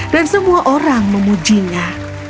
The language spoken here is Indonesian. dan semua orang memujinya